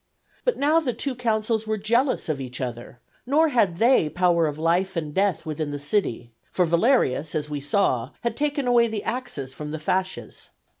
But now the two consuls were jealous of each other; nor had they power of life and death within the city, for Valerius (as we saw) had taken away the axes from the fasces.